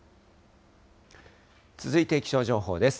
続いて気象情報です。